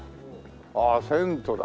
ああ銭湯だ。